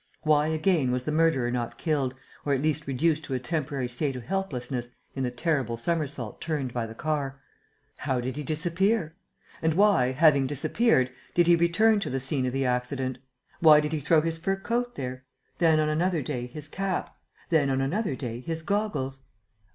Why again was the murderer not killed, or at least reduced to a temporary state of helplessness, in the terrible somersault turned by the car? How did he disappear? And why, having disappeared, did he return to the scene of the accident? Why did he throw his fur coat there; then, on another day, his cap; then, on another day, his goggles?